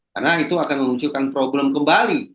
karena itu akan menunjukkan problem kembali